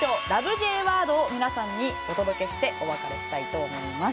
Ｊワードを皆さんにお届けしてお別れしたいと思います。